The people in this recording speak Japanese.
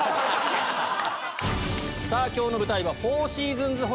さぁ今日の舞台は。